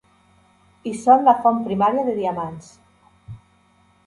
I són la font primària de diamants.